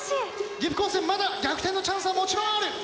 岐阜高専まだ逆転のチャンスはもちろんある！